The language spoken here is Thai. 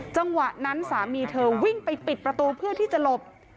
จังหวะนั้นสามีเธอวิ่งไปปิดประตูเพื่อที่จะหลบ